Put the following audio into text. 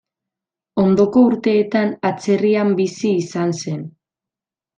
Ondoko urteetan atzerrian bizi izan zen.